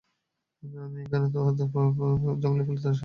আমি এখানে তোমাদের ঝামেলায় ফেলতে আসিনি, নাইয়োবি।